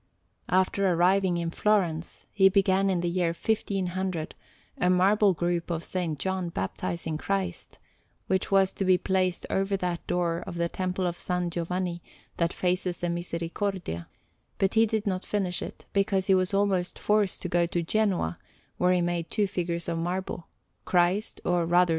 After arriving in Florence, he began in the year 1500 a marble group of S. John baptizing Christ, which was to be placed over that door of the Temple of S. Giovanni that faces the Misericordia; but he did not finish it, because he was almost forced to go to Genoa, where he made two figures of marble, Christ, or rather S.